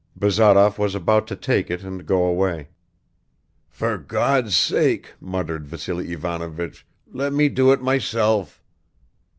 Bazarov was about to take it and go away. "For God's sake," muttered Vassily Ivanovich, "let me do it myself."